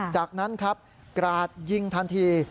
จากนั้นครับกราดยิงทันที